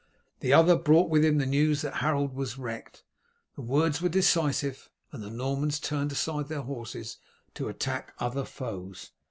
The other brought with him the news that Harold was wrecked." The words were decisive, and the Normans turned aside their horses to attack other foes.